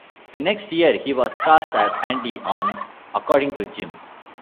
The next year he was cast as "Andy" on "According to Jim".